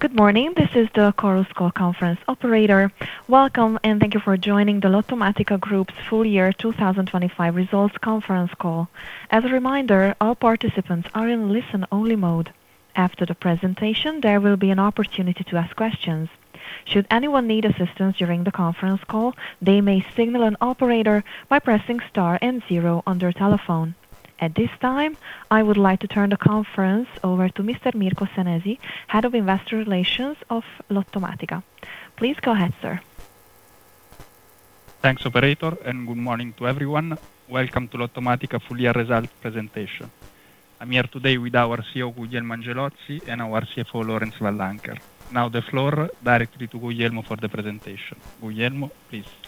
Good morning. This is the Chorus Call Conference operator. Welcome, and thank you for joining the Lottomatica Group's full year 2025 results conference call. As a reminder, all participants are in listen only mode. After the presentation, there will be an opportunity to ask questions. Should anyone need assistance during the conference call, they may signal an operator by pressing star and 0 on their telephone. At this time, I would like to turn the conference over to Mr. Mirko Senesi, Head of Investor Relations of Lottomatica. Please go ahead, sir. Thanks, operator. Good morning to everyone. Welcome to Lottomatica full year results presentation. I'm here today with our CEO, Guglielmo Angelozzi, and our CFO, Lorenzo Vallancer. The floor directly to Guglielmo for the presentation. Guglielmo, please. Thank you,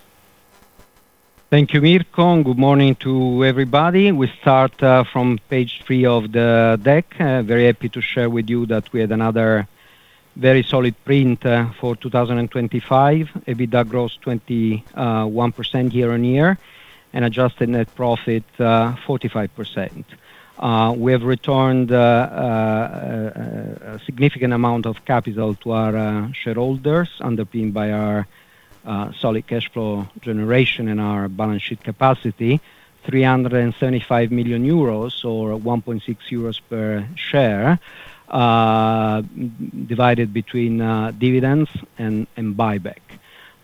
Mirko. Good morning to everybody. We start from page three of the deck. Very happy to share with you that we had another very solid print for 2025. EBITDA gross 21% year-on-year, and adjusted net profit 45%. We have returned a significant amount of capital to our shareholders, underpinned by our solid cash flow generation and our balance sheet capacity, 375 million euros or 1.6 euros per share, divided between dividends and buyback.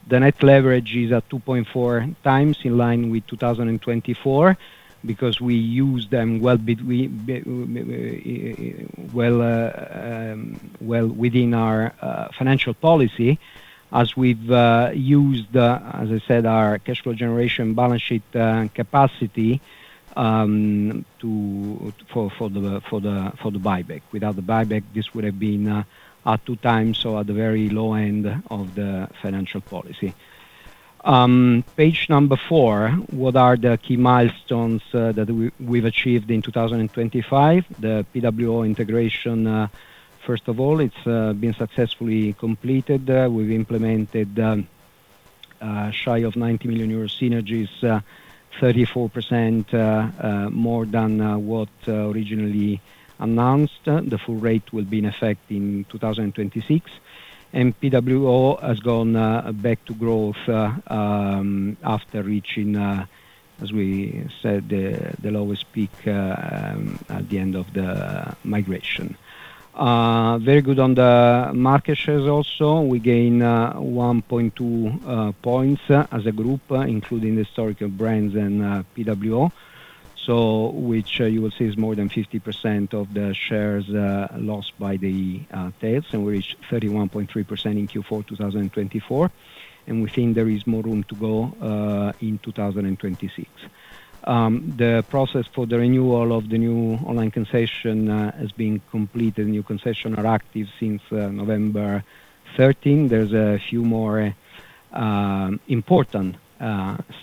The net leverage is at 2.4x in line with 2024 because we use them well within our financial policy as we've used, as I said, our cash flow generation balance sheet capacity for the buyback. Without the buyback, this would have been at 2x or at the very low end of the financial policy. Page number four, what are the key milestones that we've achieved in 2025? The PWO integration, first of all, it's been successfully completed. We've implemented shy of 90 million euros synergies, 34% more than what originally announced. The full rate will be in effect in 2026. PWO has gone back to growth after reaching, as we said, the lowest peak at the end of the migration. Very good on the market shares also. We gained 1.2 points as a group, including historical brands and PWO. Which you will see is more than 50% of the shares lost by the tails. We reached 31.3% in Q4 2024, and we think there is more room to go in 2026. The process for the renewal of the new online concession has been completed. New concession are active since November 13. There's a few more important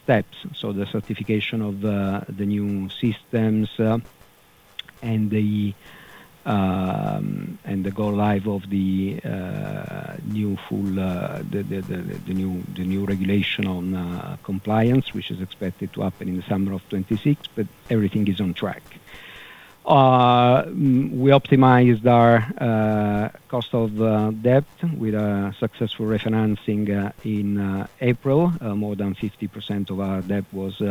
steps. The certification of the new systems and the go live of the new full regulation on compliance, which is expected to happen in the summer of 2026, but everything is on track. We optimized our cost of debt with a successful refinancing in April. More than 50% of our debt was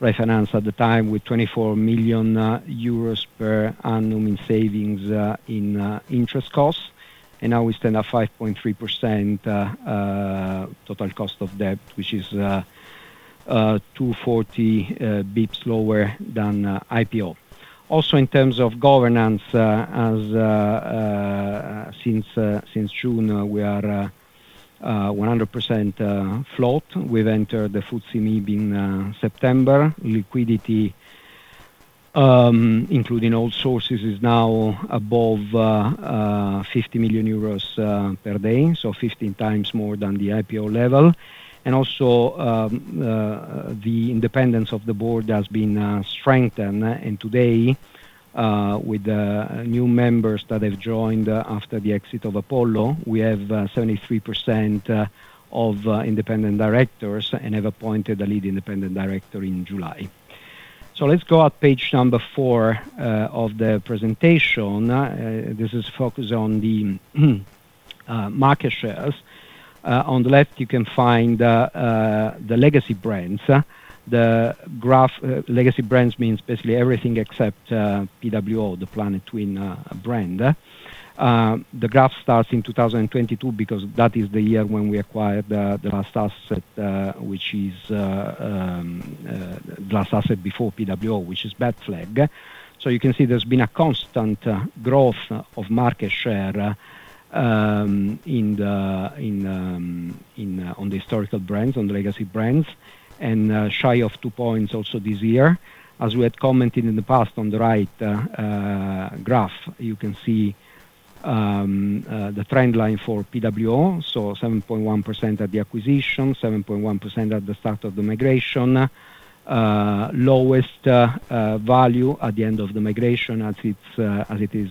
refinanced at the time with 24 million euros per annum in savings in interest costs. Now we stand at 5.3% total cost of debt, which is 240 basis points lower than IPO. Also, in terms of governance, as since June, we are 100% float. We've entered the FTSE MIB in September. Liquidity, including all sources, is now above 50 million euros per day, so 15x more than the IPO level. Also, the independence of the board has been strengthened. Today, with the new members that have joined after the exit of Apollo, we have 73% of independent directors and have appointed a lead independent director in July. Let's go at page number four of the presentation. This is focused on the market shares. On the left you can find the legacy brands. The graph, legacy brands means basically everything except PWO, the Planetwin brand. The graph starts in 2022 because that is the year when we acquired the last asset before PWO, which is Betflag. You can see there's been a constant growth of market share in the in on the historical brands, on the legacy brands, and shy of 2 points also this year. As we had commented in the past on the right graph, you can see the trend line for PWO. 7.1% at the acquisition, 7.1% at the start of the migration. Lowest value at the end of the migration as it's as it is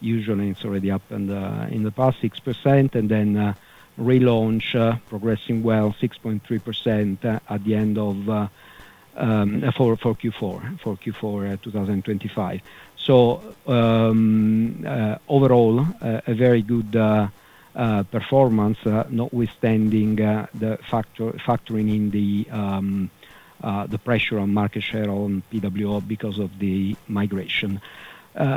usually it's already up and in the past 6%. Then relaunch progressing well, 6.3% at the end of for Q4. For Q4 2025. Overall, a very good performance notwithstanding the factoring in the pressure on market share on PWO because of the migration.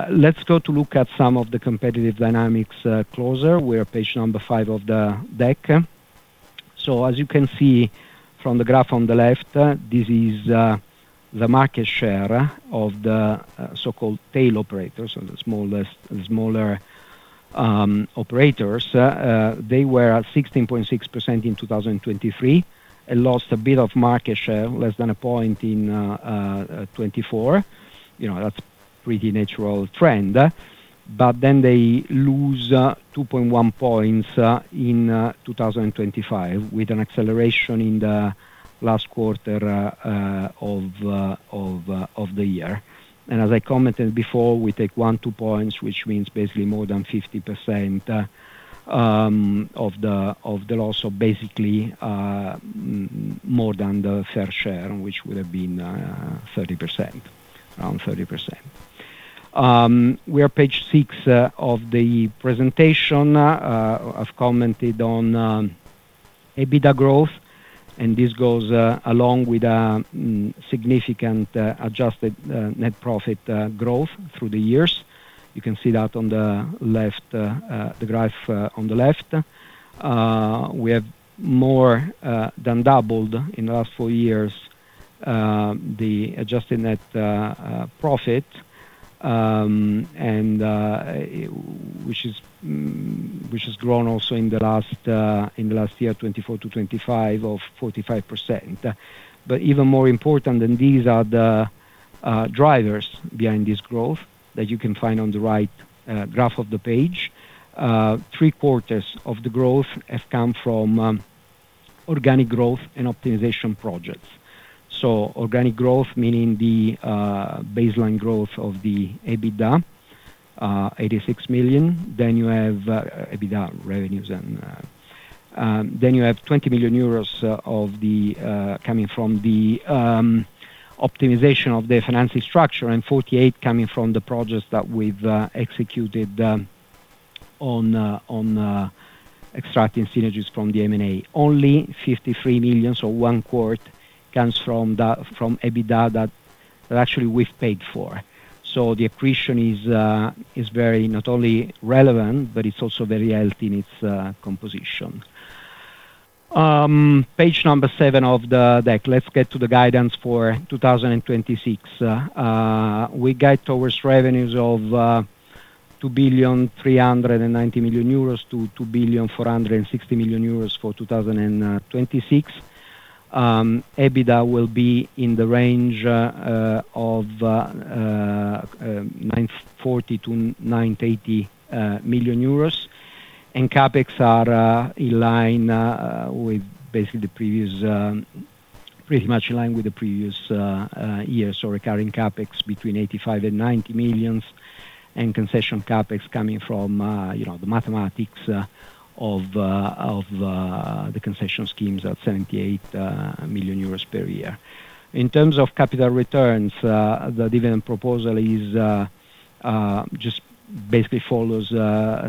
Let's go to look at some of the competitive dynamics closer. We're page five of the deck. As you can see from the graph on the left, this is the market share of the so-called tail operators or the smaller operators. They were at 16.6% in 2023 and lost a bit of market share, less than a point in 2024. You know, that's pretty natural trend. They lose 2.1 points in 2025 with an acceleration in the last quarter of the year. As I commented before, we take 1 points, 2 points, which means basically more than 50% of the loss of basically more than the fair share, which would have been 30%. Around 30%. We are page six of the presentation. I've commented on EBITDA growth, and this goes along with significant adjusted net profit growth through the years. You can see that on the left, the graph on the left. We have more than doubled in the last four years, the adjusted net profit, which has grown also in the last year, 2024 to 2025 of 45%. Even more important than these are the drivers behind this growth that you can find on the right graph of the page. Three-quarters of the growth has come from organic growth and optimization projects. Organic growth, meaning the baseline growth of the EBITDA, 86 million. EBITDA revenues, you have 20 million euros coming from the optimization of the financial structure, and 48 million coming from the projects that we've executed on extracting synergies from the M&A. Only 53 million, so one quarter, comes from EBITDA that actually we've paid for. The accretion is very not only relevant, but it's also very healthy in its composition. Page number seven of the deck. Let's get to the guidance for 2026. We guide towards revenues of EUR 2,390 million-EUR 2,460 million for 2026. EBITDA will be in the range of 940 million-980 million euros. CapEx are pretty much in line with the previous year. Recurring CapEx between 85 million and 90 million, and concession CapEx coming from, you know, the mathematics of the concession schemes at 78 million euros per year. In terms of capital returns, the dividend proposal is just basically follows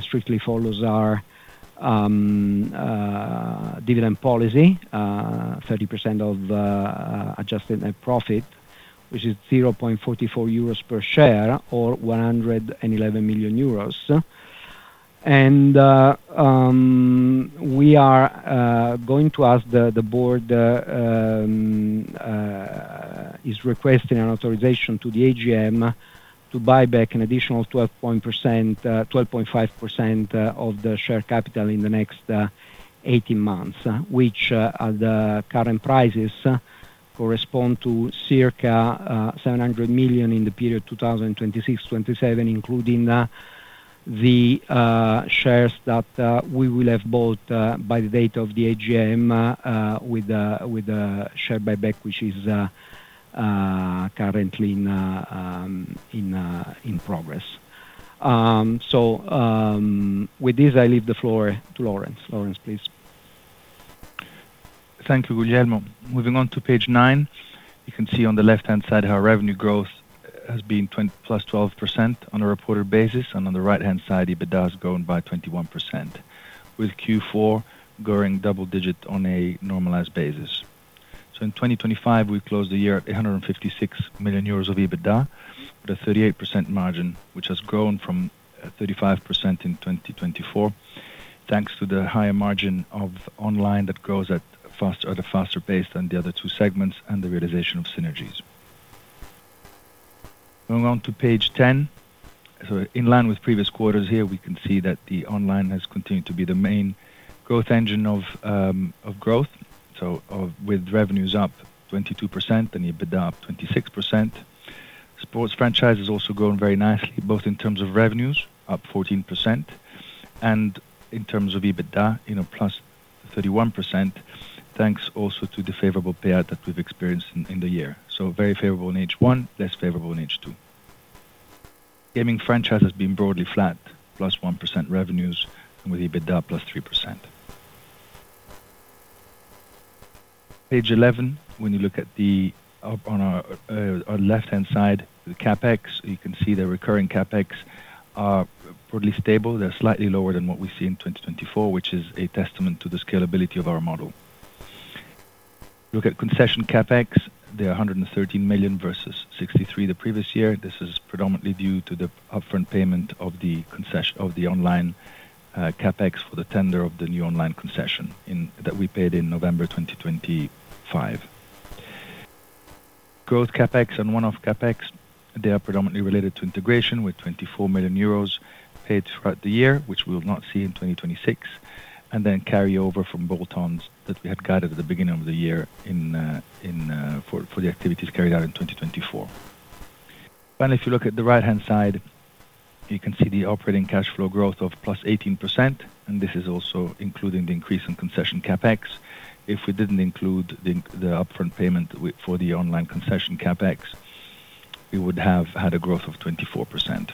strictly follows our dividend policy, 30% of adjusted net profit, which is 0.44 euros per share or 111 million euros. We are going to ask the board is requesting an authorization to the AGM to buy back an additional 12.5% of the share capital in the next 18 months. Which at the current prices correspond to circa 700 million in the period 2026-2027, including the shares that we will have bought by the date of the AGM with the share buyback, which is currently in progress. With this I leave the floor to Lawrence. Lawrence, please. Thank you, Guglielmo. Moving on to page nine. You can see on the left-hand side how revenue growth has been +12% on a reported basis, and on the right-hand side, EBITDA has grown by 21%, with Q4 growing double digit on a normalized basis. In 2025, we closed the year at 856 million euros of EBITDA with a 38% margin, which has grown from 35% in 2024, thanks to the higher margin of online that grows at a faster pace than the other two segments and the realization of synergies. Moving on to Page 10. In line with previous quarters here, we can see that the online has continued to be the main growth engine of growth. With revenues up 22% and EBITDA up 26%. Sports franchise has also grown very nicely, both in terms of revenues, up 14%, and in terms of EBITDA, you know, +31%, thanks also to the favorable payout that we've experienced in the year. Very favorable in H1, less favorable in H2. Gaming franchise has been broadly flat, +1% revenues and with EBITDA +3%. Page 11, when you look at on our left-hand side, the CapEx, you can see the recurring CapEx are broadly stable. They're slightly lower than what we see in 2024, which is a testament to the scalability of our model. Look at concession CapEx. They are 113 million versus 63 million the previous year. This is predominantly due to the upfront payment of the concession of the online CapEx for the tender of the new online concession in that we paid in November 2025. Growth CapEx and one-off CapEx, they are predominantly related to integration with 24 million euros paid throughout the year, which we will not see in 2026, and then carry over from bolt-ons that we had guided at the beginning of the year in, for the activities carried out in 2024. If you look at the right-hand side, you can see the operating cash flow growth of +18%, and this is also including the increase in concession CapEx. If we didn't include the upfront payment for the online concession CapEx, we would have had a growth of 24%.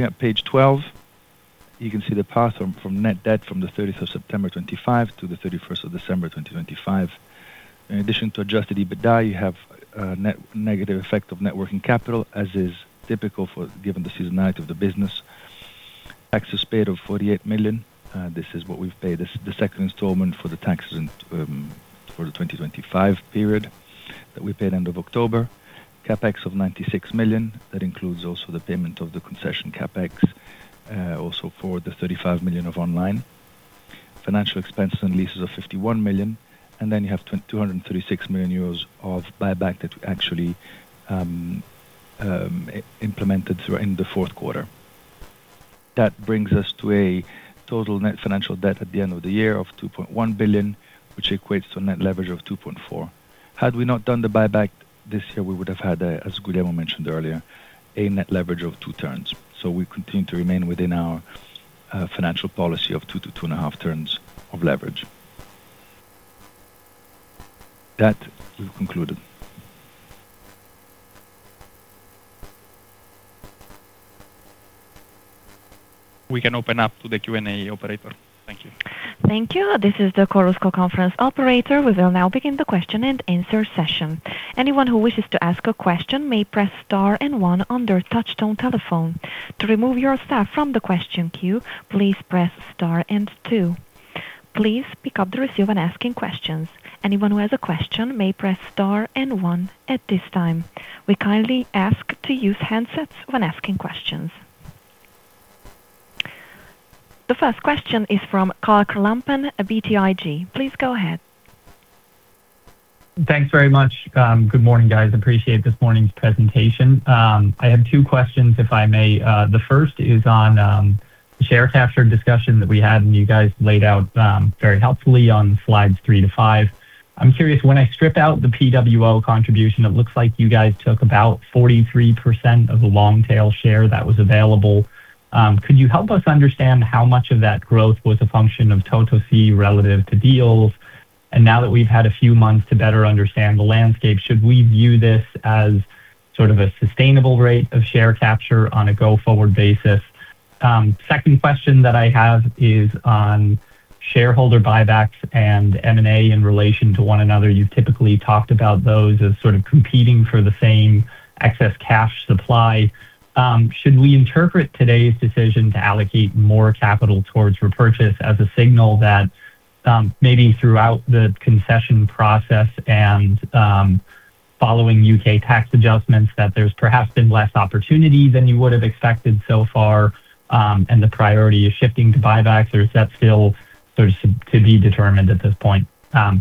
At Page 12, you can see the path from net debt from the 30th of September 2025 to the 31st of December 2025. In addition to adjusted EBITDA, you have a negative effect of net working capital, as is typical given the seasonality of the business. Taxes paid of 48 million. This is what we've paid as the second installment for the taxes in for the 2025 period that we paid end of October. CapEx of 96 million. That includes also the payment of the concession CapEx, also for the 35 million of online. Financial expenses and leases of 51 million. You have 236 million euros of buyback that we actually implemented throughout in the fourth quarter. That brings us to a total net financial debt at the end of the year of 2.1 billion, which equates to a net leverage of 2.4. Had we not done the buyback this year, we would have had, as Guglielmo mentioned earlier, a net leverage of 2 turns. We continue to remain within our financial policy of 2 to 2.5 turns of leverage. We've concluded. We can open up to the Q&A operator. Thank you. Thank you. This is the Chorus Call conference operator. We will now begin the question and answer session. Anyone who wishes to ask a question may press star and one on their touchtone telephone. To remove yourself from the question queue, please press star and two. Please pick up the receiver when asking questions. Anyone who has a question may press star and one at this time. We kindly ask to use handsets when asking questions. The first question is from Clark Lampen at BTIG. Please go ahead. Thanks very much. Good morning, guys. Appreciate this morning's presentation. I have two questions, if I may. The first is on the share capture discussion that we had, and you guys laid out very helpfully on slides 3-5. I'm curious, when I strip out the Planetwin365 contribution, it looks like you guys took about 43% of the long-tail share that was available. Could you help us understand how much of that growth was a function of total fee relative to deals? Now that we've had a few months to better understand the landscape, should we view this as sort of a sustainable rate of share capture on a go-forward basis? Second question that I have is on shareholder buybacks and M&A in relation to one another. You've typically talked about those as sort of competing for the same excess cash supply. Should we interpret today's decision to allocate more capital towards repurchase as a signal that, maybe throughout the concession process and, following U.K. tax adjustments, that there's perhaps been less opportunity than you would have expected so far, and the priority is shifting to buybacks, or is that still sort of to be determined at this point?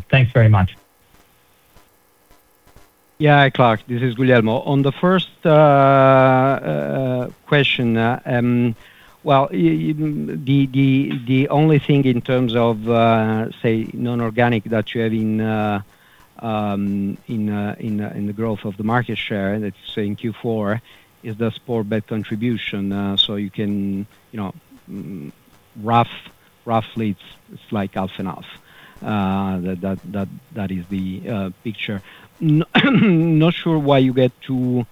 Thanks very much. Clark, this is Guglielmo. On the first question, well, the only thing in terms of say non-organic that you have in the growth of the market share, let's say in Q4, is the sports bets contribution. You can, you know, roughly it's like half and half. That is the picture. Not sure why you get to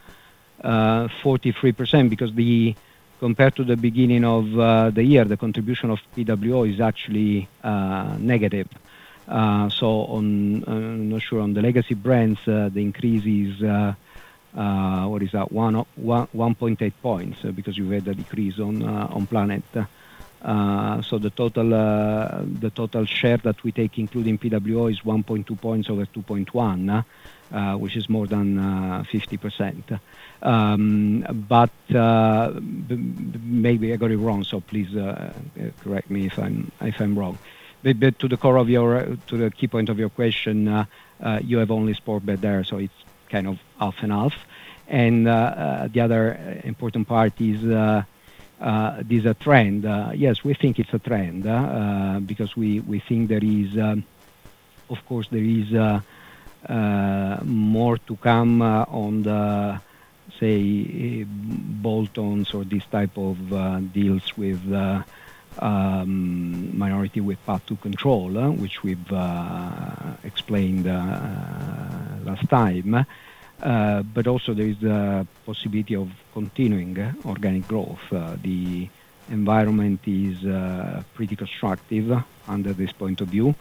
43% because compared to the beginning of the year, the contribution of PWO is actually negative. On, I'm not sure on the legacy brands, the increase is what is that? 1.8 points because you've had a decrease on Planet. So the total share that we take including PWO is 1.2 points over 2.1, which is more than 50%. Maybe I got it wrong, so please correct me if I'm wrong. To the key point of your question, you have only Sportybet there, so it's kind of half and half. The other important part is a trend. Yes, we think it's a trend, because we think there is, of course there is more to come on the... Say bolt-ons or this type of deals with minority with path to control, which we've explained last time. Also there is the possibility of continuing organic growth. The environment is pretty constructive under this point of view.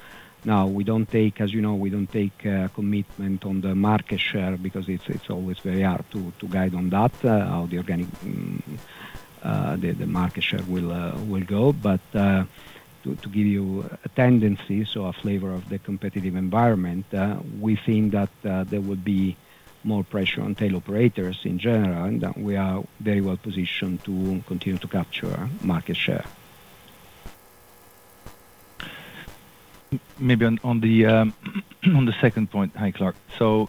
Now, as you know, we don't take commitment on the market share because it's always very hard to guide on that, how the organic market share will go. To give you a tendency, so a flavor of the competitive environment, we think that there would be more pressure on tail operators in general, and we are very well positioned to continue to capture market share. Maybe on the second point. Hi, Clark. For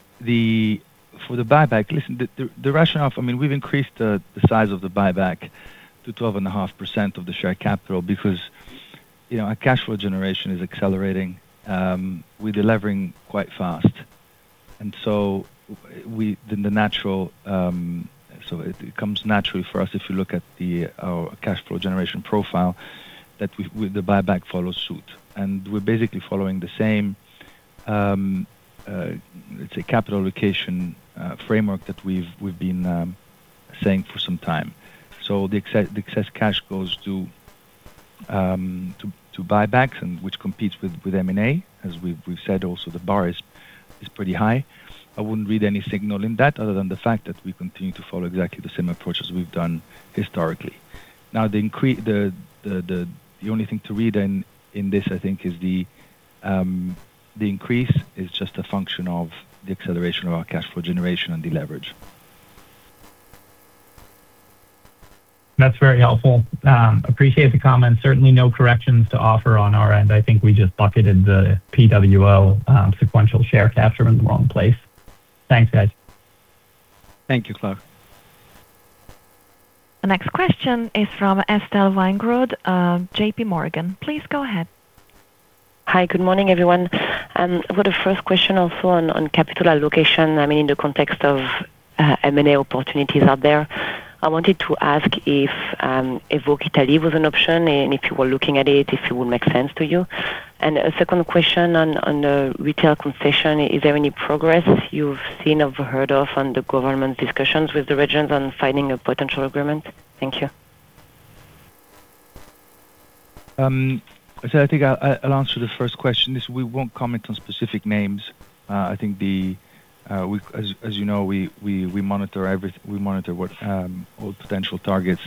the buyback, listen, the rationale I mean, we've increased the size of the buyback to 12.5% of the share capital because, you know, our cash flow generation is accelerating, we're delevering quite fast. The natural it comes naturally for us if you look at our cash flow generation profile, that the buyback follows suit. We're basically following the same, let's say, capital allocation framework that we've been saying for some time. The excess cash goes to buybacks and which competes with M&A. As we've said also the bar is pretty high. I wouldn't read any signal in that other than the fact that we continue to follow exactly the same approach as we've done historically. The only thing to read in this, I think, is the increase is just a function of the acceleration of our cash flow generation and the leverage. That's very helpful. Appreciate the comments. Certainly no corrections to offer on our end. I think we just bucketed the PWL sequential share capture in the wrong place. Thanks, guys. Thank you, Clark. The next question is from Estelle Weingrod of JPMorgan. Please go ahead. Hi. Good morning, everyone. For the first question also on capital allocation, I mean, in the context of M&A opportunities out there, I wanted to ask if Voci Italy was an option and if you were looking at it, if it would make sense to you. A second question on the retail concession, is there any progress you've seen or heard of on the government discussions with the regions on finding a potential agreement? Thank you. I think I'll answer the first question. Is we won't comment on specific names. I think, as you know, we monitor what, all potential targets,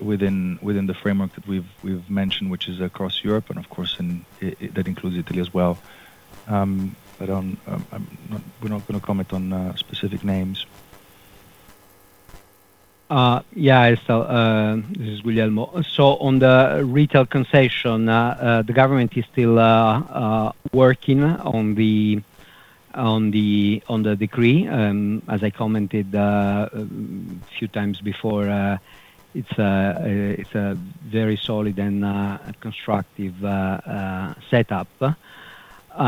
within the framework that we've mentioned, which is across Europe, and of course, that includes Italy as well. I don't, we're not gonna comment on specific names. Yeah. Estelle, this is Guglielmo. On the retail concession, the government is still working on the decree. As I commented a few times before, it's a very solid and constructive setup. It's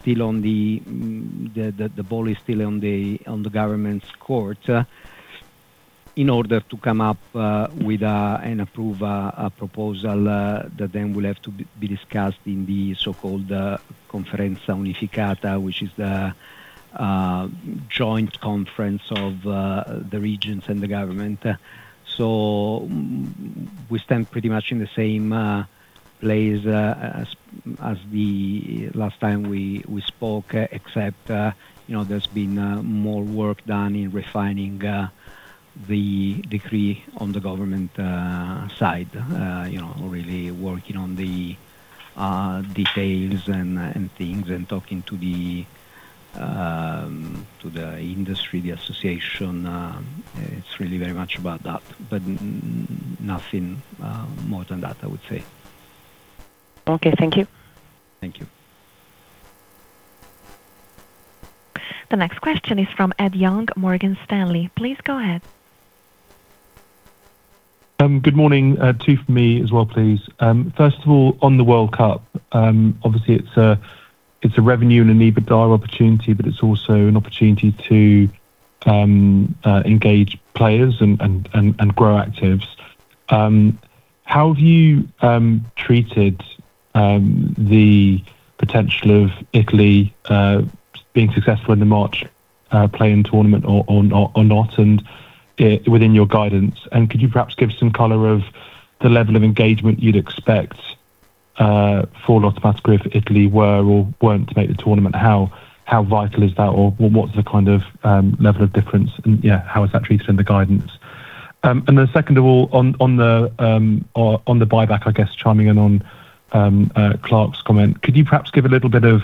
still on the ball is still on the government's court in order to come up with and approve a proposal that then will have to be discussed in the so-called Conferenza Unificata, which is the joint conference of the regions and the government. We stand pretty much in the same place as the last time we spoke, except, you know, there's been more work done in refining the decree on the government side, you know, really working on the details and things and talking to the industry, the association, it's really very much about that, but nothing more than that, I would say. Okay. Thank you. Thank you. The next question is from Ed Young, Morgan Stanley. Please go ahead. Good morning. Two for me as well, please. First of all, on the World Cup, obviously it's a revenue and an EBITDA opportunity, but it's also an opportunity to engage players and grow actives. How have you treated the potential of Italy being successful in the March playing tournament or not within your guidance? Could you perhaps give some color of the level of engagement you'd expect for Lottomatica Group if Italy were or weren't to make the tournament? How vital is that? Or what's the kind of level of difference? Yeah, how is that treated in the guidance? Second of all, on the, or on the buyback, I guess, chiming in on Clark's comment, could you perhaps give a little bit of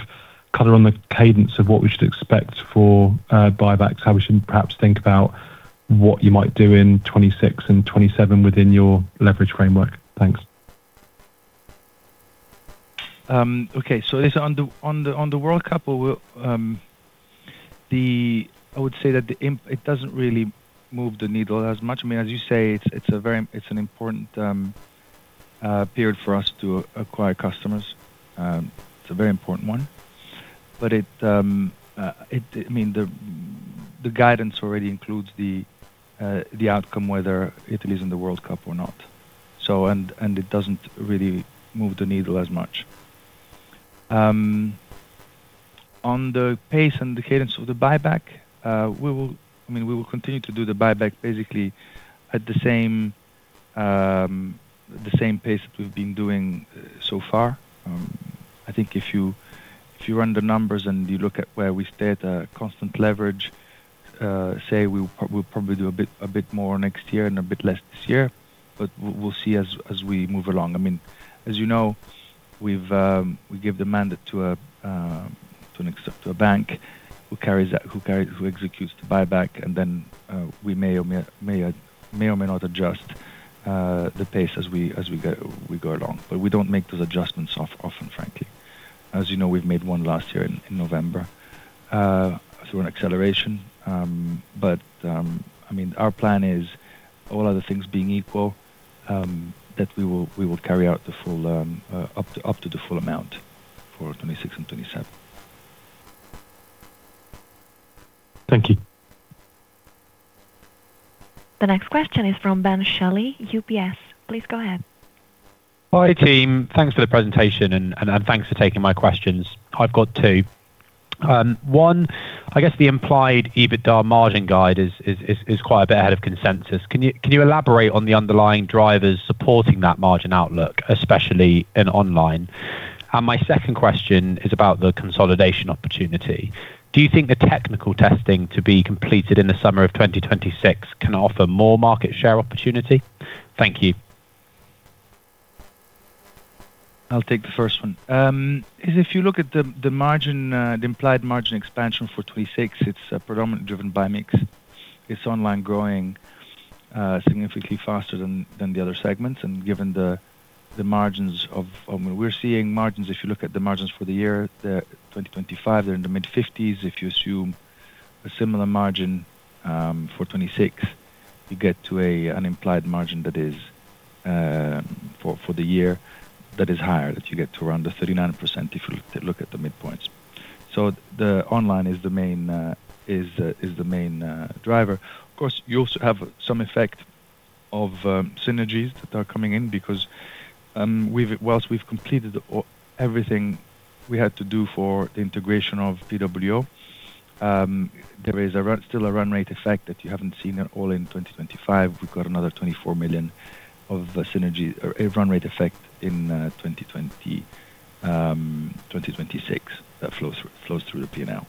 color on the cadence of what we should expect for buybacks? How we should perhaps think about what you might do in 2026 and 2027 within your leverage framework? Thanks. Okay. Is on the World Cup or I would say that it doesn't really move the needle as much. I mean, as you say, it's an important period for us to acquire customers. It's a very important one, but it, I mean, the guidance already includes the outcome whether Italy is in the World Cup or not. It doesn't really move the needle as much. On the pace and the cadence of the buyback, I mean, we will continue to do the buyback basically at the same pace that we've been doing so far. I think if you, if you run the numbers and you look at where we stayed, constant leverage, say we'll probably do a bit, a bit more next year and a bit less this year, but we'll see as we move along. I mean, as you know, we've, we give the mandate to a bank who carries that, who executes the buyback and then we may or may not adjust the pace as we go along. We don't make those adjustments often, frankly. As you know, we've made one last year in November through an acceleration. I mean, our plan is all other things being equal, that we will carry out the full, up to the full amount for 2026 and 2027. Thank you. The next question is from Ben Shelley, UBS. Please go ahead. Hi team. Thanks for the presentation and thanks for taking my questions. I've got two. One, I guess the implied EBITDA margin guide is quite a bit ahead of consensus. Can you elaborate on the underlying drivers supporting that margin outlook, especially in online? My second question is about the consolidation opportunity. Do you think the technical testing to be completed in the summer of 2026 can offer more market share opportunity? Thank you. I'll take the first one. If you look at the margin, the implied margin expansion for 2026, it's predominantly driven by mix. It's online growing significantly faster than the other segments. Given the margins of, I mean, we're seeing margins, if you look at the margins for the year, the 2025, they're in the mid-50s. If you assume a similar margin for 2026, you get to an implied margin that is for the year that is higher, you get to around the 39% if you look at the midpoints. The online is the main driver. Of course, you also have some effect of synergies that are coming in because we've... We've completed all, everything we had to do for the integration of SKS365, there is still a run rate effect that you haven't seen at all in 2025. We've got another 24 million of synergy or a run rate effect in 2026 that flows through the P&L.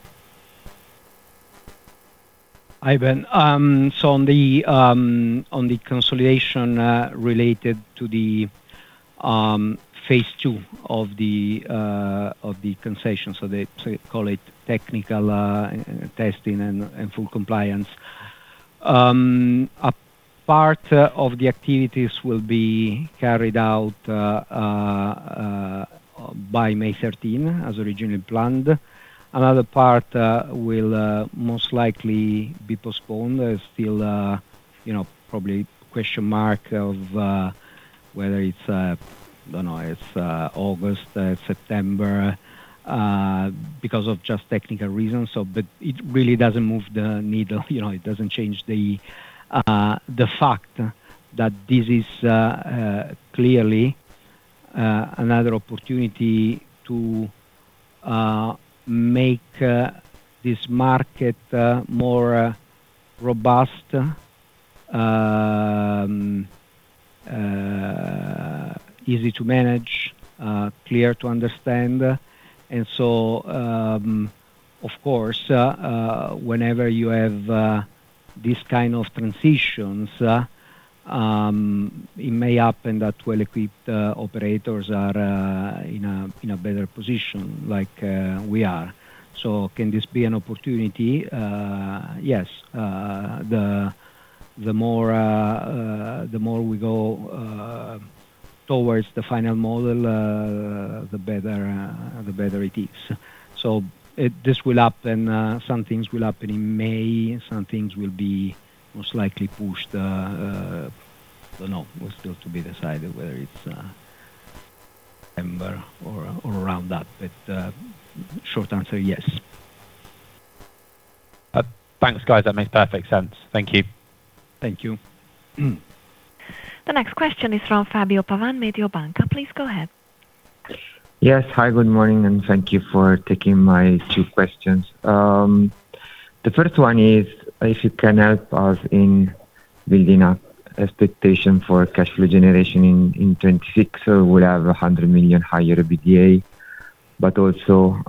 Hi, Ben. On the on the consolidation related to the phase II of the concession, so they call it technical testing and full compliance. A part of the activities will be carried out by May 13th as originally planned. Another part will most likely be postponed. There's still, you know, probably question mark of whether it's I don't know, it's August, September because of just technical reasons. It really doesn't move the needle. You know, it doesn't change the fact that this is clearly another opportunity to make this market more robust, easy to manage, clear to understand. Of course, whenever you have this kind of transitions, it may happen that well-equipped operators are in a better position like we are. Can this be an opportunity? Yes. The more we go towards the final model, the better it is. This will happen, some things will happen in May, some things will be most likely pushed, I don't know, will still to be decided whether it's November or around that. Short answer, yes. Thanks, guys. That makes perfect sense. Thank you. Thank you. The next question is from Fabio Pavan, Mediobanca. Please go ahead. Yes. Hi, good morning, and thank you for taking my two questions. The first one is if you can help us in building an expectation for cash flow generation in 2026. We have 100 million higher EBITDA, but also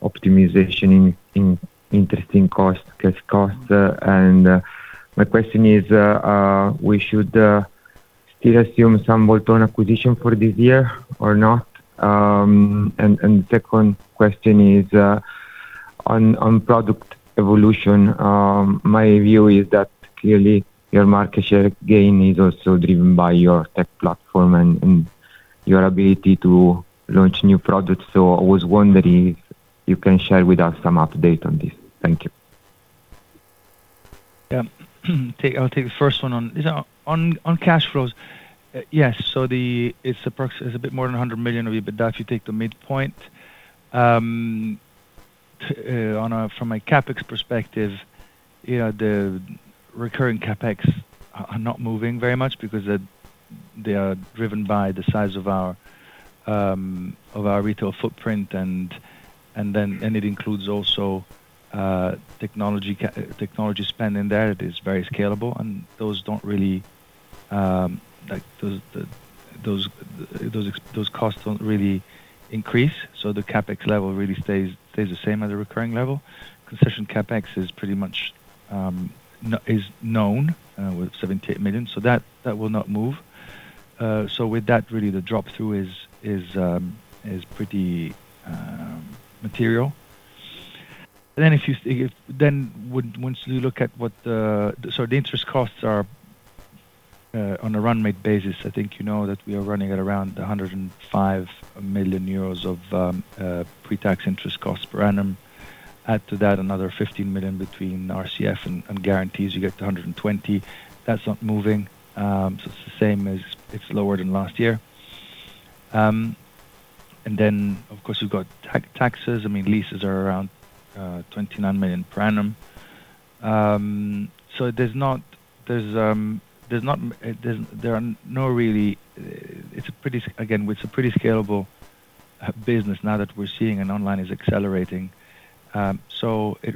optimization in interesting costs, cash costs. My question is, we should still assume some bolt-on acquisition for this year or not? Second question is on product evolution. My view is that clearly your market share gain is also driven by your tech platform and your ability to launch new products. I was wondering if you can share with us some update on this. Thank you. Yeah. I'll take the first one on. On cash flows. Yes. It's a bit more than 100 million of EBITDA if you take the midpoint. From a CapEx perspective, you know, the recurring CapEx are not moving very much because they are driven by the size of our retail footprint and then it includes also technology spend in there. It is very scalable, those costs don't really increase. The CapEx level really stays the same as the recurring level. Concession CapEx is pretty much known with 78 million, so that will not move. With that, really the drop through is pretty material. Once you look at what the interest costs are, on a run rate basis, I think you know that we are running at around 105 million euros of pre-tax interest costs per annum. Add to that another 15 million between RCF and guarantees, you get to 120 million. That's not moving, so it's the same as it's lower than last year. Of course, you've got taxes. I mean, leases are around 29 million per annum. There are no really, again, it's a pretty scalable business now that we're seeing and online is accelerating. It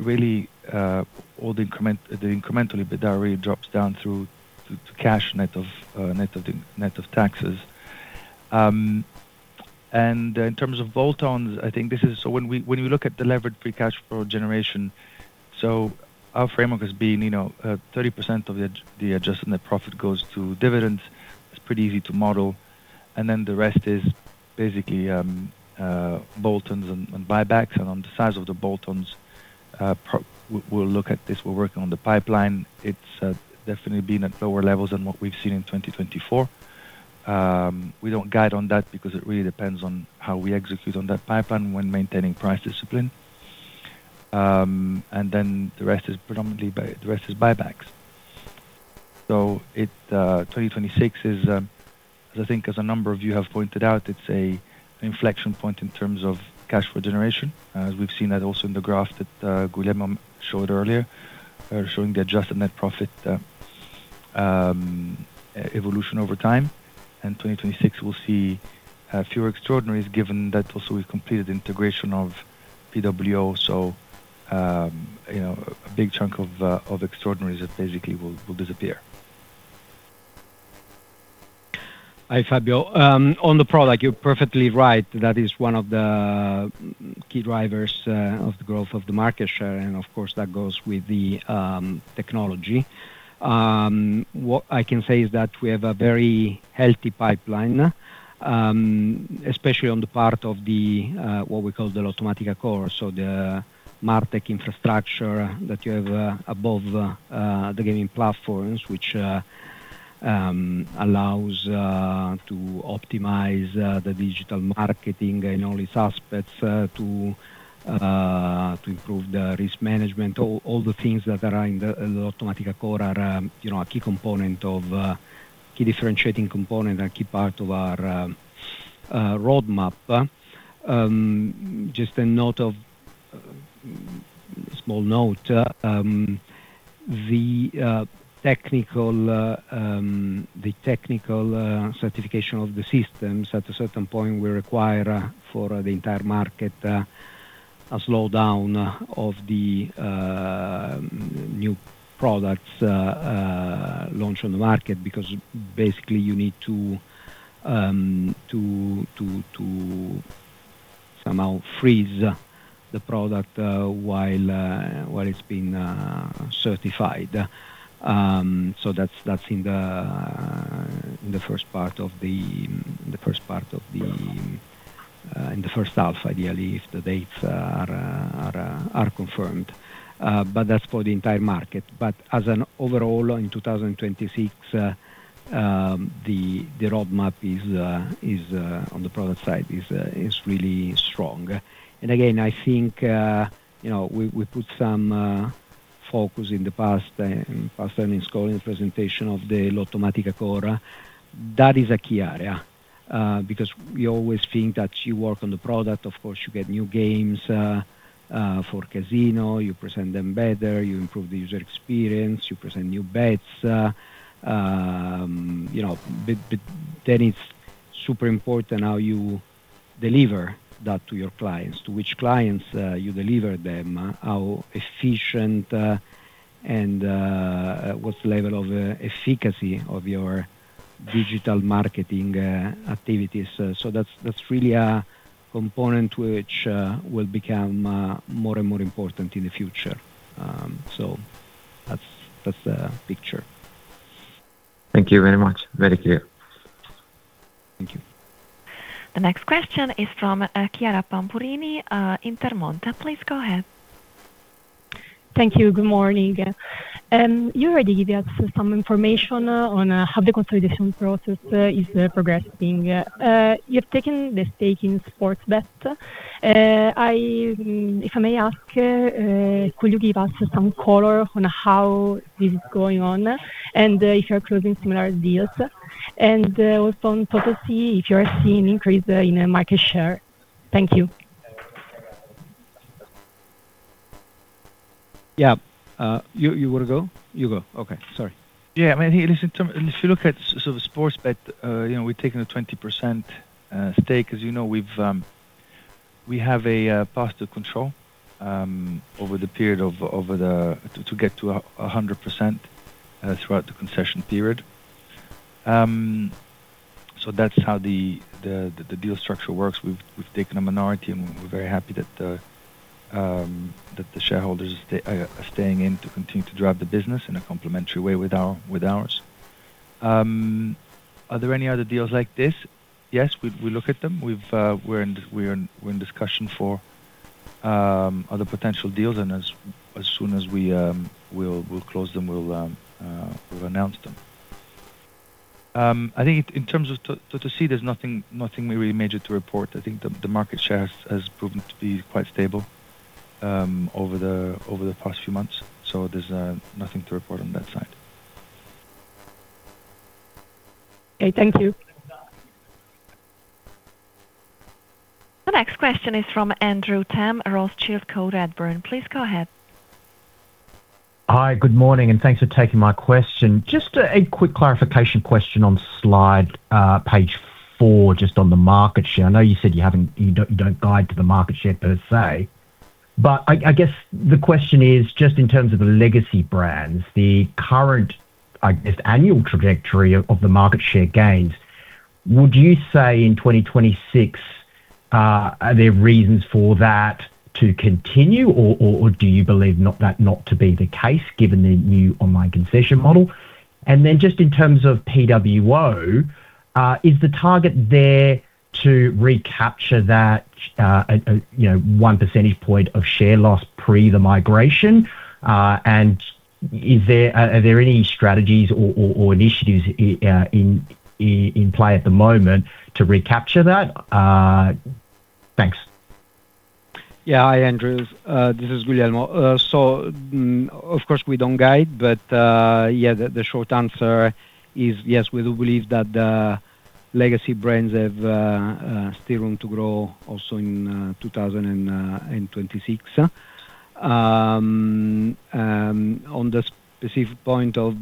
really, all the incremental EBITDA really drops down through to cash net of, net of the, net of taxes. In terms of bolt-ons, I think when we, when you look at the levered free cash flow generation, so our framework has been, you know, 30% of the adjusted net profit goes to dividends. It's pretty easy to model. The rest is basically bolt-ons and buybacks. On the size of the bolt-ons, we'll look at this. We're working on the pipeline. It's definitely been at lower levels than what we've seen in 2024. We don't guide on that because it really depends on how we execute on that pipeline when maintaining price discipline. The rest is predominantly buybacks. It, 2026 is, as I think as a number of you have pointed out, it's an inflection point in terms of cash flow generation. We've seen that also in the graph that Guglielmo Angelozzi showed earlier, showing the adjusted net profit evolution over time. 2026, we'll see fewer extraordinaries given that also we've completed integration of PWO. You know, a big chunk of extraordinaries that basically will disappear. Hi, Fabio. On the product, you're perfectly right. That is one of the key drivers of the growth of the market share, and of course, that goes with the technology. What I can say is that we have a very healthy pipeline, especially on the part of the what we call the Lottomatica Core. The MarTech infrastructure that you have above the gaming platforms, which allows to optimize the digital marketing in all its aspects, to improve the risk management. All the things that are in the Lottomatica Core are, you know, a key component of key differentiating component, a key part of our roadmap. Just a note of small note. The technical certification of the systems at a certain point will require for the entire market a slowdown of the new products launched on the market. Basically you need to somehow freeze the product while it's being certified. That's in the first part of the first half, ideally, if the dates are confirmed. That's for the entire market. As an overall in 2026, the roadmap is on the product side is really strong. Again, I think, you know, we put some focus in the past, in past earnings call in the presentation of the Lottomatica Core. That is a key area, because we always think that you work on the product, of course you get new games, for casino, you present them better, you improve the user experience, you present new bets. You know, but then it's super important how you deliver that to your clients, to which clients, you deliver them, how efficient, and what's the level of efficacy of your digital marketing activities. That's really a component which will become more and more important in the future. That's the picture. Thank you very much. Very clear. Thank you. The next question is from Chiara Pampurini, Intermonte. Please go ahead. Thank you. Good morning. You already give us some information on how the consolidation process is progressing. You've taken the stake in Sportybet. If I may ask, could you give us some color on how this is going on, and if you're closing similar deals? Also on Totosì, if you are seeing increase in market share? Thank you. Yeah. you wanna go? You go. Okay. Sorry. Yeah. I mean, listen, if you look at sort of Sportybet, you know, we've taken a 20% stake. As you know, we've, we have a path to control over the period of, over the to get to 100% throughout the concession period. That's how the deal structure works. We've taken a minority, and we're very happy that the shareholders are staying in to continue to drive the business in a complementary way with ours. Are there any other deals like this? Yes, we look at them. We're in discussion for other potential deals, and as soon as we close them, we'll announce them. I think in terms of Totosì, there's nothing really major to report. I think the market share has proven to be quite stable, over the past few months. There's nothing to report on that side. Okay. Thank you. The next question is from Andrew Tam, Rothschild & Co Redburn. Please go ahead. Hi. Good morning, thanks for taking my question. Just a quick clarification question on slide, page four, just on the market share. I know you said you haven't, you don't guide to the market share per se, I guess the question is, just in terms of the legacy brands, the current, I guess, annual trajectory of the market share gains, would you say in 2026, are there reasons for that to continue, or do you believe not that not to be the case given the new online concession model? Just in terms of Planetwin365, is the target there to recapture that, you know, one percentage point of share loss pre the migration? Are there any strategies or initiatives in play at the moment to recapture that? Thanks. Yeah. Hi, Andrew. This is Guglielmo. Of course we don't guide, but yeah, the short answer is yes, we do believe that the legacy brands have still room to grow also in 2026. On the specific point of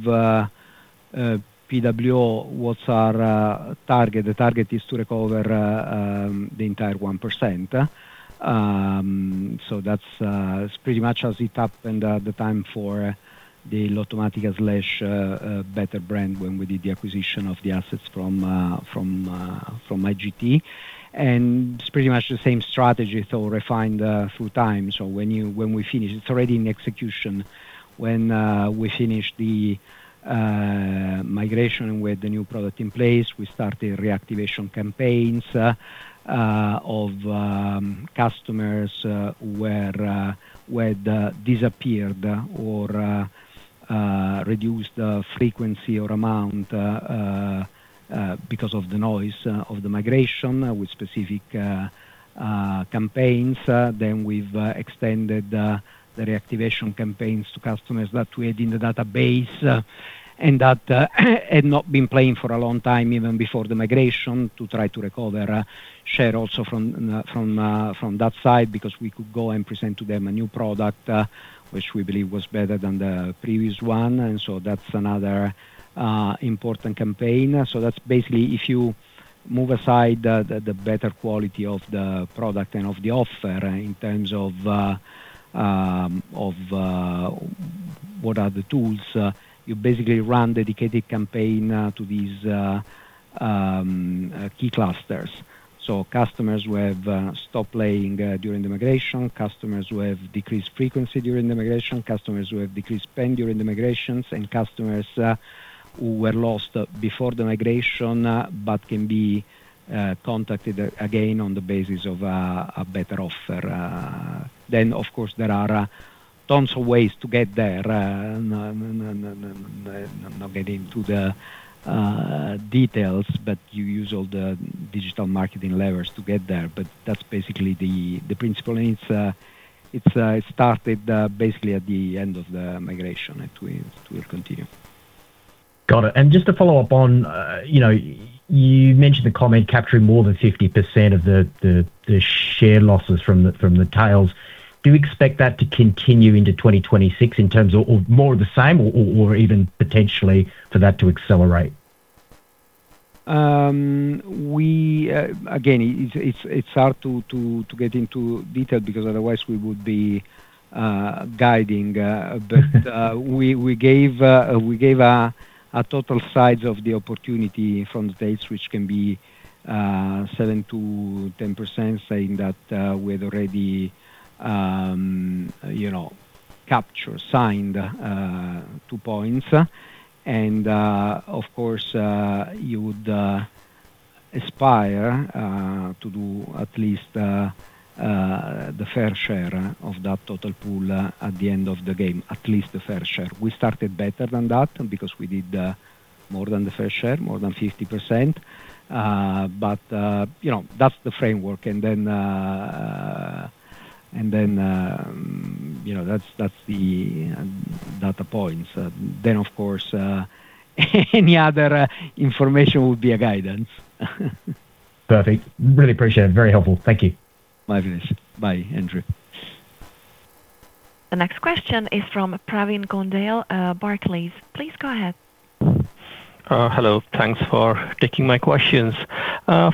Planetwin365, what's our target? The target is to recover the entire 1%. That's pretty much as it happened at the time for the Lottomatica/Better when we did the acquisition of the assets from IGT. It's pretty much the same strategy, though refined through time. When we finish, it's already in execution. When we finish the migration with the new product in place, we start the reactivation campaigns of customers where the disappeared or reduced frequency or amount because of the noise of the migration with specific campaigns. We've extended the reactivation campaigns to customers that we had in the database and that had not been playing for a long time, even before the migration, to try to recover share also from that side, because we could go and present to them a new product which we believe was better than the previous one. That's another important campaign. That's basically if you move aside the better quality of the product and of the offer, in terms of what are the tools, you basically run dedicated campaign to these key clusters. Customers who have stopped playing during the migration, customers who have decreased frequency during the migration, customers who have decreased spend during the migrations, and customers who were lost before the migration, but can be contacted again on the basis of a better offer. Then, of course, there are tons of ways to get there. Not get into the details, but you use all the digital marketing levers to get there. That's basically the principle, and it's started basically at the end of the migration, and we'll continue. Got it. Just to follow up on, you know, you mentioned the comment capturing more than 50% of the share losses from the tails. Do you expect that to continue into 2026 in terms of more of the same or even potentially for that to accelerate? We again, it's hard to get into detail because otherwise we would be guiding. We gave a total size of the opportunity from the states, which can be 7%-10%, saying that we had already, you know, captured or signed 2 points. Of course, you would Aspire to do at least the fair share of that total pool at the end of the game, at least the fair share. We started better than that because we did more than the fair share, more than 50%. You know, that's the framework. Then, you know, that's the data points. Of course, any other information would be a guidance. Perfect. Really appreciate it. Very helpful. Thank you. My pleasure. Bye, Andrew. The next question is from Pravin Gouniyal, Barclays. Please go ahead. Hello. Thanks for taking my questions.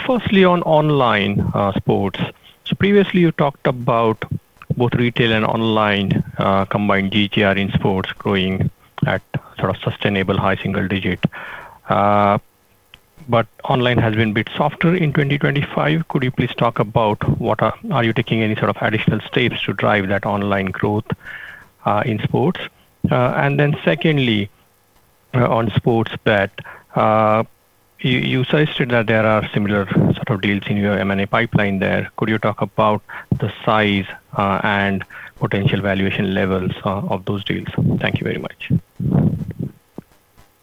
Firstly, on online sports. Previously you talked about both retail and online combined GGR in sports growing at sort of sustainable high single-digit. Online has been a bit softer in 2025. Could you please talk about are you taking any sort of additional steps to drive that online growth in sports? Secondly, on Sportybet, you suggested that there are similar sort of deals in your M&A pipeline there. Could you talk about the size and potential valuation levels of those deals? Thank you very much.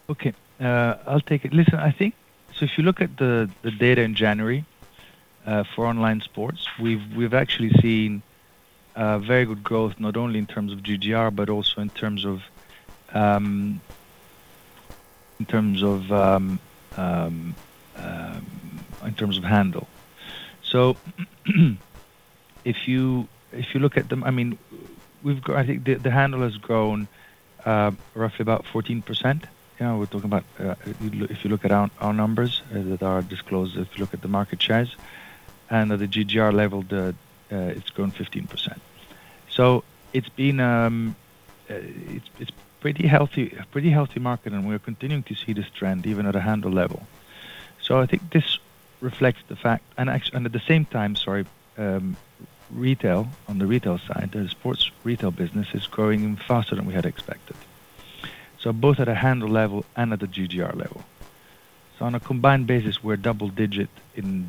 Okay. I'll take it. Listen, I think if you look at the data in January for online sports, we've actually seen very good growth, not only in terms of GGR, but also in terms of handle. If you look at them, I mean, we've I think the handle has grown roughly about 14%. You know, we're talking about if you look at our numbers that are disclosed, if you look at the market shares. At the GGR level, the it's grown 15%. It's been it's pretty healthy, a pretty healthy market, and we're continuing to see this trend even at a handle level. I think this reflects the fact and at the same time, sorry, retail on the retail side, the sports retail business is growing faster than we had expected. Both at a handle level and at a GGR level. On a combined basis, we're double-digit in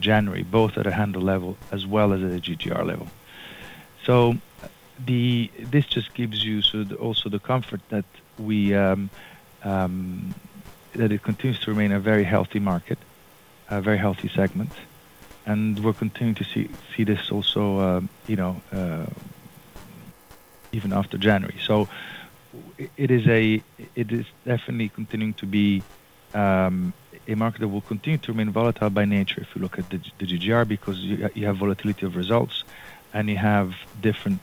January, both at a handle level as well as at a GGR level. This just gives you also the comfort that we that it continues to remain a very healthy market, a very healthy segment. We'll continue to see this also, you know, even after January. It is definitely continuing to be a market that will continue to remain volatile by nature if you look at the GGR because you have volatility of results, and you have different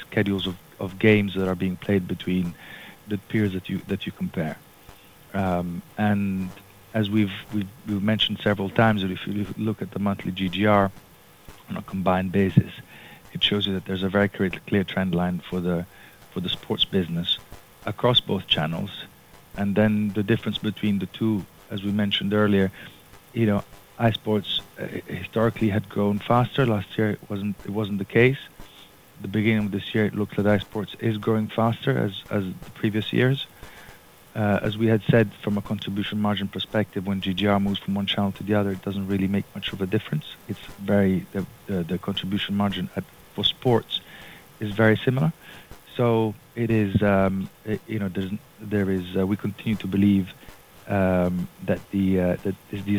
schedules of games that are being played between the periods that you compare. As we've mentioned several times that if you look at the monthly GGR on a combined basis, it shows you that there's a very clear trend line for the sports business across both channels. The difference between the two, as we mentioned earlier, you know, iSports historically had grown faster. Last year it wasn't the case. The beginning of this year, it looks like iSports is growing faster as the previous years. As we had said from a contribution margin perspective, when GGR moves from one channel to the other, it doesn't really make much of a difference. It's very the contribution margin for sports is very similar. it is, you know, there's, there is, we continue to believe that these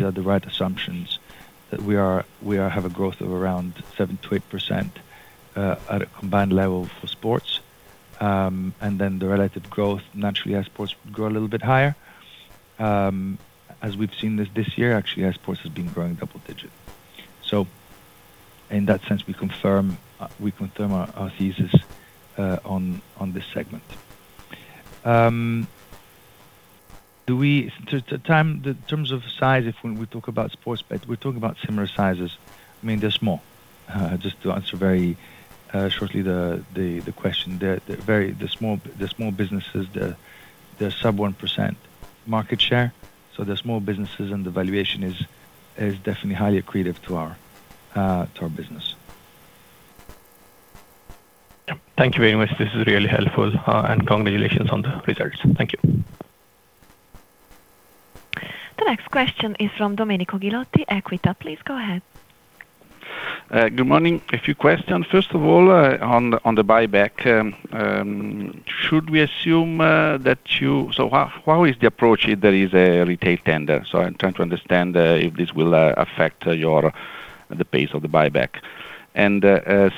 are the right assumptions, that we have a growth of around 7%-8% at a combined level for sports. And then the relative growth, naturally iSports grow a little bit higher. As we've seen this year, actually iSports has been growing double-digit. in that sense, we confirm our thesis on this segment. Do we in terms of size, if when we talk about sports bets, we're talking about similar sizes. I mean, they're small. Just to answer very shortly the, the question. They're small businesses. They're, they're sub 1% market share. They're small businesses and the valuation is definitely highly accretive to our, to our business. Thank you very much. This is really helpful. Congratulations on the results. Thank you. The next question is from Domenico Ghilotti, Equita. Please go ahead. Good morning. A few questions. First of all, on the buyback, should we assume how is the approach if there is a retail tender? I'm trying to understand if this will affect your, the pace of the buyback.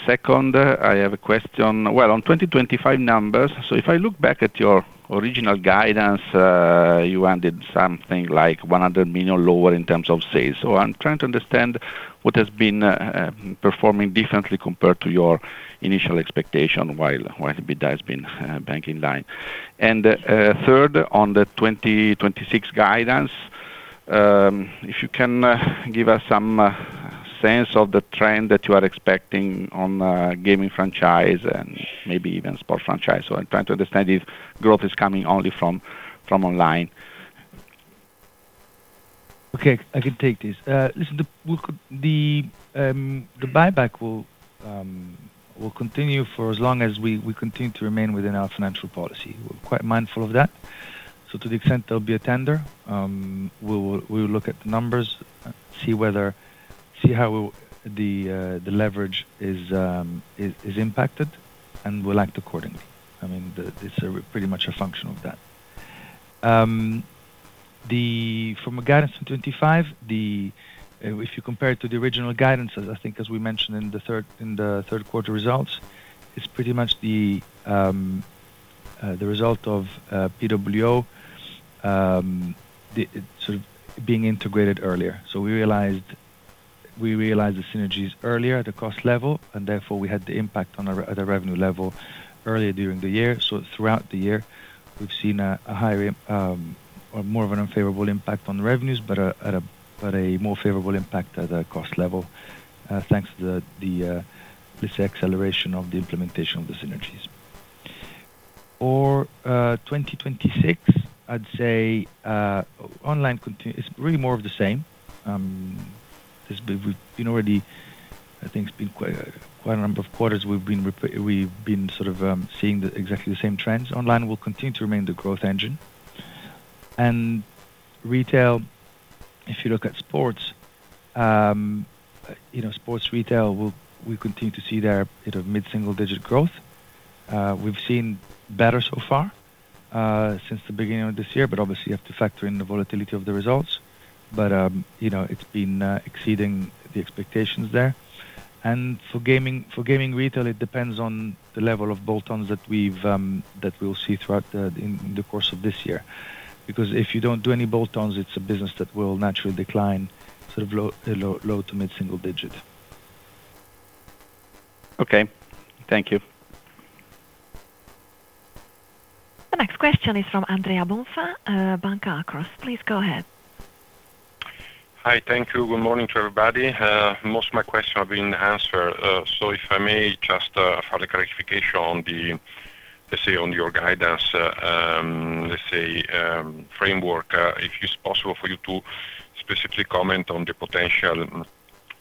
Second, I have a question. Well, on 2025 numbers, if I look back at your original guidance, you wanted something like 100 million lower in terms of sales. I'm trying to understand what has been performing differently compared to your initial expectation while EBITDA has been banking line. Third, on the 2026 guidance, if you can give us some sense of the trend that you are expecting on gaming franchise and maybe even sports franchise. I'm trying to understand if growth is coming only from online. Okay, I can take this. Listen, the buyback will continue for as long as we continue to remain within our financial policy. We're quite mindful of that. To the extent there'll be a tender, we'll look at the numbers, see how the leverage is impacted, and we'll act accordingly. I mean, it's pretty much a function of that. From a guidance in 25, if you compare it to the original guidance, as I think as we mentioned in the third quarter results, it's pretty much the result of Planetwin365, the, sort of being integrated earlier. We realized the synergies earlier at the cost level, and therefore we had the impact on our, at the revenue level earlier during the year. Throughout the year, we've seen a higher or more of an unfavorable impact on the revenues, but a more favorable impact at the cost level, thanks to this acceleration of the implementation of the synergies. For 2026, I'd say, online continue. It's really more of the same. As we've, you know, the, I think it's been quite a number of quarters we've been sort of seeing the exactly the same trends. Online will continue to remain the growth engine. Retail, if you look at sports, you know, sports retail, we continue to see their bit of mid-single digit growth. We've seen Better so far since the beginning of this year, but obviously you have to factor in the volatility of the results. You know, it's been exceeding the expectations there. For gaming, for gaming retail, it depends on the level of bolt-ons that we've that we'll see throughout in the course of this year. Because if you don't do any bolt-ons, it's a business that will naturally decline sort of low, low, low to mid-single digit. Okay. Thank you. The next question is from Andrea Bonfà, Banca Akros. Please go ahead. Hi. Thank you. Good morning to everybody. Most of my questions have been answered. If I may just, for the clarification on the, let's say, on your guidance, let's say, framework, if it's possible for you to specifically comment on the potential,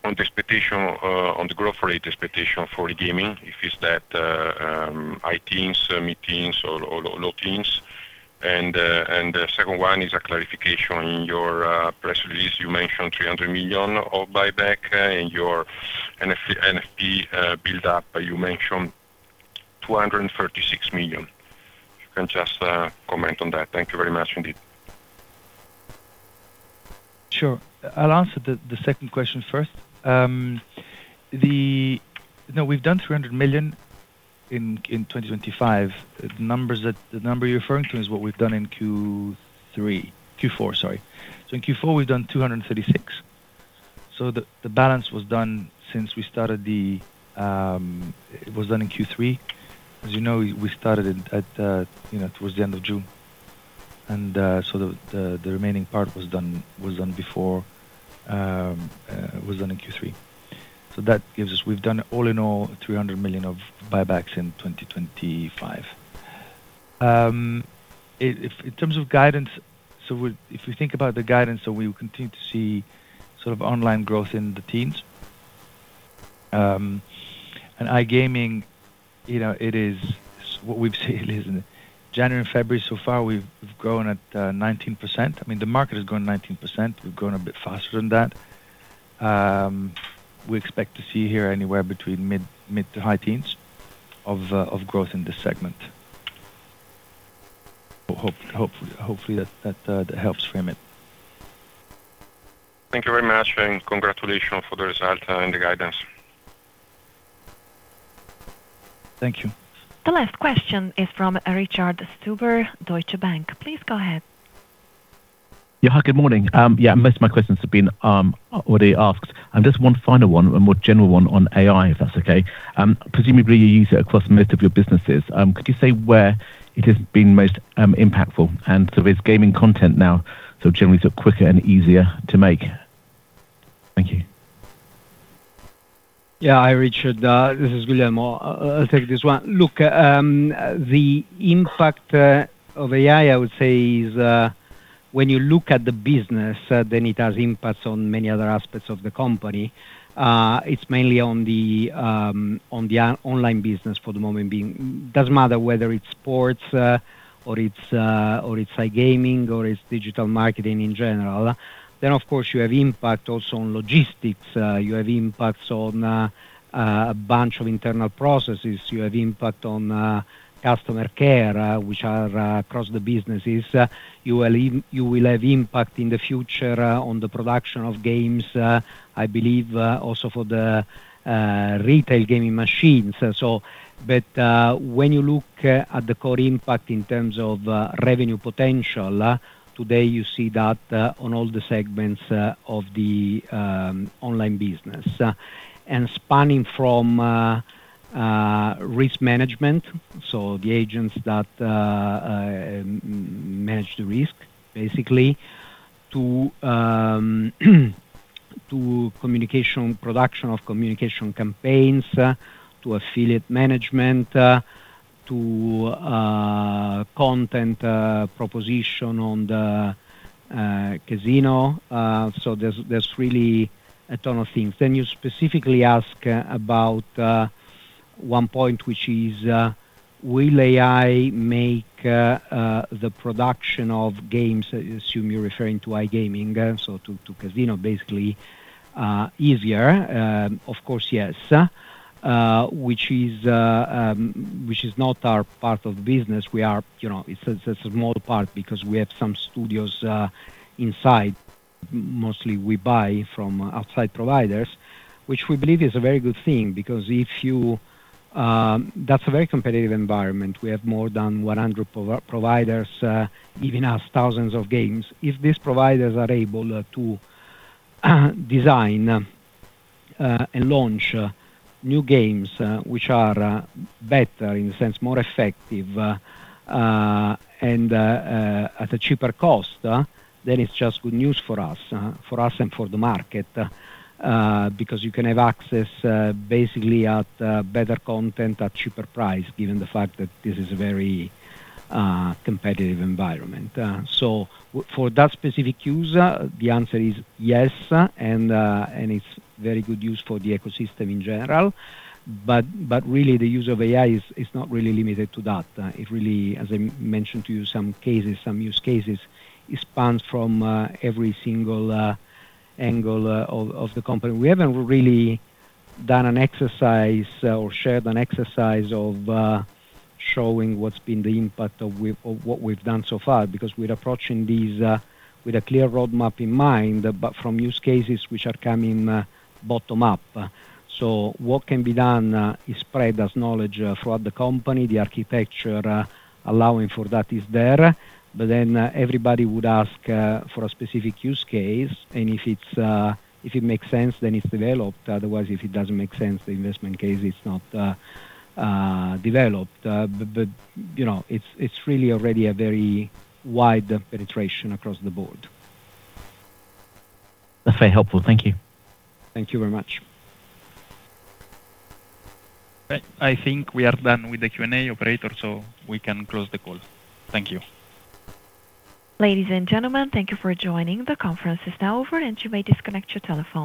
on the expectation, on the growth rate expectation for iGaming, if it's that, high teens, mid teens or low teens. The second one is a clarification. In your press release, you mentioned 300 million of buyback, in your NFP build up, you mentioned 236 million. If you can just comment on that. Thank you very much indeed. Sure. I'll answer the second question first. No, we've done 300 million in 2025. The number you're referring to is what we've done in Q3, Q4, sorry. In Q4, we've done 236. The balance was done since we started the. It was done in Q3. As you know, we started it at, you know, towards the end of June. The remaining part was done before was done in Q3. That gives us, we've done all in all 300 million of buybacks in 2025. In, if, in terms of guidance, if we think about the guidance, we will continue to see sort of online growth in the teens. iGaming, you know, it is what we've seen, isn't it? January, February so far, we've grown at 19%. I mean, the market has grown 19%. We've grown a bit faster than that. We expect to see here anywhere between mid to high teens of growth in this segment. Hopefully that helps frame it. Thank you very much, and congratulations for the result and the guidance. Thank you. The last question is from Richard Stuber, Deutsche Bank. Please go ahead. Yeah. Good morning. Yeah, most of my questions have been already asked. Just one final one, a more general one on AI, if that's okay? Presumably you use it across most of your businesses. Could you say where it has been most impactful? Is gaming content now sort of generally sort of quicker and easier to make? Thank you. Yeah. Hi, Richard Stuber. This is Guglielmo Angelozzi. I'll take this one. Look, the impact of AI, I would say, is when you look at the business, it has impacts on many other aspects of the company. It's mainly on the online business for the moment being. Doesn't matter whether it's sports or it's iGaming or it's digital marketing in general. Of course you have impact also on logistics. You have impacts on a bunch of internal processes. You have impact on customer care, which are across the businesses. You will have impact in the future on the production of games, I believe, also for the retail gaming machines. the core impact in terms of revenue potential, today you see that on all the segments of the online business. And spanning from risk management, so the agents that manage the risk, basically, to communication, production of communication campaigns, to affiliate management, to content proposition on the casino. There's really a ton of things. Then you specifically ask about one point, which is, will AI make the production of games, I assume you're referring to iGaming, so to casino basically, easier? Of course, yes. Which is not our part of the business. We are, you know, it's a small part because we have some studios inside. Mostly we buy from outside providers, which we believe is a very good thing because that's a very competitive environment. We have more than 100 providers, giving us thousands of games. If these providers are able to design and launch new games, which are better in the sense more effective, and at a cheaper cost, then it's just good news for us, for us and for the market, because you can have access, basically at better content at cheaper price, given the fact that this is a very competitive environment. For that specific use, the answer is yes, and it's very good use for the ecosystem in general. Really the use of AI is not really limited to that. It really, as I mentioned to you some cases, some use cases, it spans from every single angle of the company. We haven't really done an exercise or shared an exercise of showing what's been the impact of what we've done so far because we're approaching these with a clear roadmap in mind, but from use cases which are coming bottom up. What can be done is spread as knowledge throughout the company. The architecture allowing for that is there. Everybody would ask for a specific use case, and if it's if it makes sense, then it's developed. Otherwise, if it doesn't make sense, the investment case is not developed. You know, it's really already a very wide penetration across the board. That's very helpful. Thank you. Thank you very much. Okay. I think we are done with the Q&A operator, so we can close the call. Thank you. Ladies and gentlemen, thank you for joining. The conference is now over, and you may disconnect your telephone.